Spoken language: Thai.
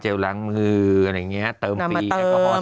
เจลล้างมืออะไรอย่างเงี้ยเติมฟรี